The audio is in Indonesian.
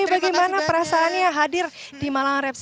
bagaimana perasaan ya hadir di malang resepsi